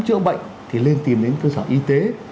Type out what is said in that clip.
chữa bệnh thì nên tìm đến cơ sở y tế